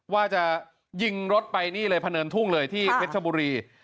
ว่าจะยิงรถไปนี่เลยพะเนินทุ่งเลยที่เพชรชบุรี